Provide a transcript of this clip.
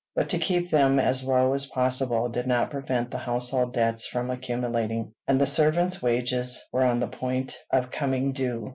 But to keep them as low as possible did not prevent the household debts from accumulating, and the servants' wages were on the point of coming due.